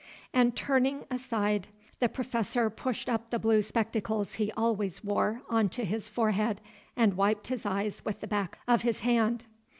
and, turning aside, the Professor pushed up the blue spectacles he always wore on to his forehead, and wiped his eyes with the back of his hand.